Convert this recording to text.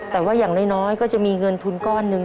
แต่ว่าอย่างน้อยก็จะมีเงินทุนก้อนหนึ่ง